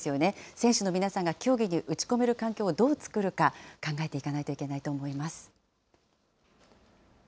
選手の皆さんが競技に打ち込める環境をどう作るか、考えていかないといけないと思います。